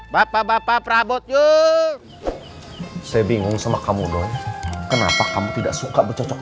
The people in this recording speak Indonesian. bapak bapak perabot yuk saya bingung sama kamu dong kenapa kamu tidak suka bercocok